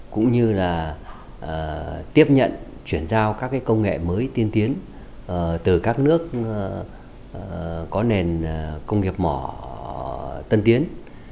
cũng như là tiếp nhận chuyển giao các công nghệ mới tiên tiến từ các nước có nền công nghiệp mỏ tân tiến